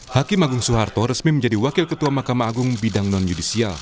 hakim agung soeharto resmi menjadi wakil ketua mahkamah agung bidang non judisial